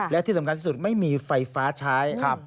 และที่สำคัญที่สุดไม่มีไฟฟ้าใช้